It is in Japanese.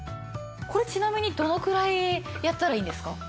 これちなみにどのくらいやったらいいんですか？